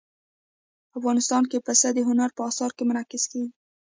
افغانستان کې پسه د هنر په اثار کې منعکس کېږي.